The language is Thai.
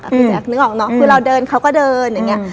พี่แจ๊คนึกออกเนอะคือเราเดินเขาก็เดินอย่างนี้